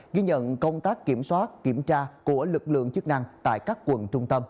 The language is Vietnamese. ghi nhận công tác kiểm soát kiểm tra của lực lượng chức năng tại các quận trung tâm